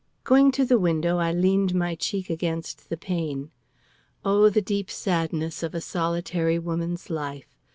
Going to the window, I leaned my cheek against the pane. Oh, the deep sadness of a solitary woman's life!